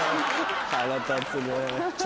腹立つね。